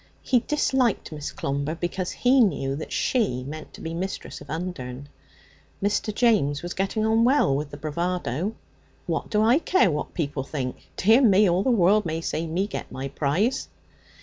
He disliked Miss Clomber because he knew that she meant to be mistress of Undern. Mr. James was getting on well with the bravado. 'What do I care what people think? Dear me! All the world may see me get my prize.'